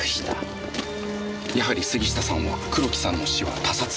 やはり杉下さんは黒木さんの死は他殺だと？